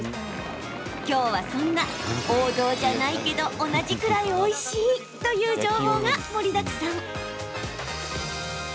今日はそんな王道じゃないけど同じくらいおいしいという情報が盛りだくさん。